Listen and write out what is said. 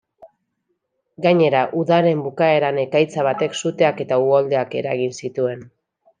Gainera, udaren bukaeran ekaitza batek suteak eta uholdeak eragin zituen.